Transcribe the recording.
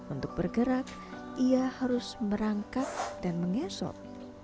untuk bergerak ia harus merangkap dan mengesok